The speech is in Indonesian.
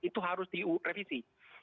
itu harus direvisi